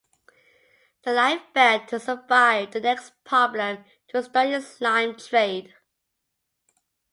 The line failed to survive the next problem to strike its lime trade.